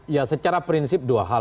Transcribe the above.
ya secara prinsip dua hal